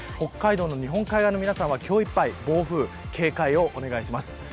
北海道の日本海側の皆さんは今日いっぱい暴風に警戒をお願いします。